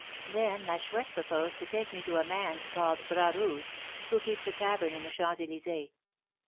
Then La Chouette proposed to take me to a man's called Bras Rouge, who keeps a tavern in the Champs Elysées.